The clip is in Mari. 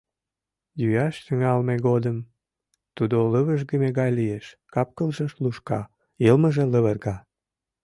Йӱаш тӱҥалме годым тудо лывыжгыме гай лиеш, капкылже лушка, йылмыже лывырга.